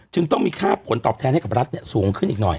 ต้องมีค่าผลตอบแทนให้กับรัฐสูงขึ้นอีกหน่อย